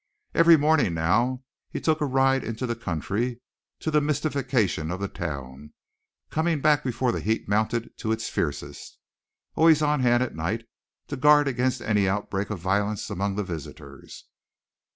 Every morning now he took a ride into the country, to the mystification of the town, coming back before the heat mounted to its fiercest, always on hand at night to guard against any outbreak of violence among the visitors.